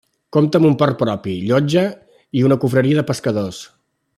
Compta amb un port propi, llotja i una confraria de pescadors.